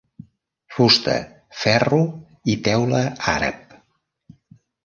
Fusta, ferro i teula àrab.